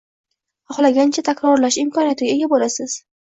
Xohlagancha takrorlash imkoniyatiga ega bo’lasiz